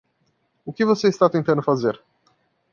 O que você está tentando fazer?